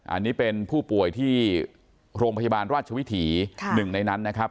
อันนี้เป็นผู้ป่วยที่โรงพยาบาลราชวิถีหนึ่งในนั้นนะครับ